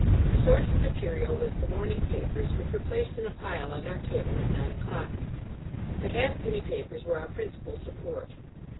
The source of material was the morning papers, which were placed in a pile on our table at nine o'clock. The halfpenny papers were our principal support.